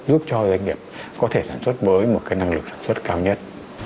giúp cho doanh nghiệp có thể sản xuất với một cái năng lực sản xuất cao nhất